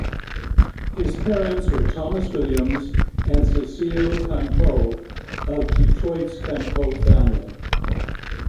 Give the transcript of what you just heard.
His parents were Thomas Williams and Cecile Campeau, of Detroit's Campau family.